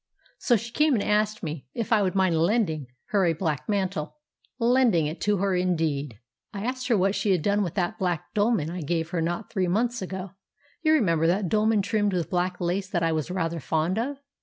So she came and asked me if I would mind lending her a black mantle!—lending it to her indeed! "I asked her what she had done with that black dolman I gave her not three months ago—you remember that dolman trimmed with black lace that I was rather fond of?